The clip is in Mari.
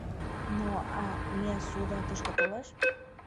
Но... а Миасуда тышке толеш?